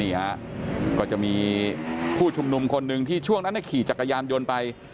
ฮะก็จะมีผู้ชุมนุมคนหนึ่งที่ช่วงนั้นขี่จักรยานยนต์ไป